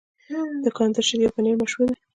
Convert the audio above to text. د کاناډا شیدې او پنیر مشهور دي.